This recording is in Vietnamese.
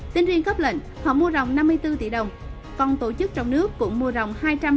tính riêng khớp lệnh họ mua rồng năm mươi bốn tỷ đồng còn tổ chức trong nước cũng mua rồng hai trăm hai mươi chín tỷ đồng